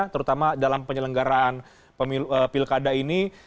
terutama dalam penyelenggaraan pilkada ini